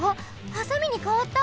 ハサミにかわった。